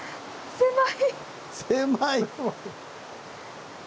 狭い！